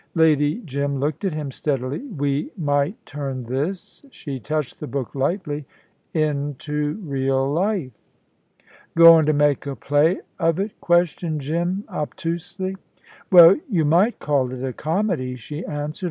Lady Jim looked at him steadily. "We might turn this" she touched the book lightly "into real life." "Goin' to make a play of it?" questioned Jim, obtusely. "Well, you might call it a comedy," she answered.